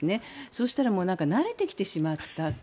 そしたら慣れてきてしまったと。